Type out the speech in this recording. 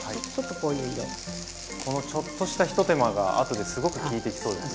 このちょっとしたひと手間があとですごく効いてきそうですね。